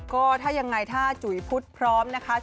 ก็ถ้ายังไงถ้าจุ๋ยพุทธพร้อมนะคะ